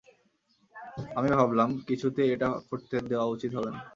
আমি ভাবলাম, কিছুতেই এটা করতে দেওয়া উচিত হবে না।